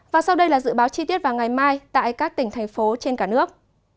và sau đây là dự báo chi tiết vào ngày mai tại các tỉnh thành phố trên cả nước